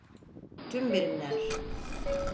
Tüm birimler.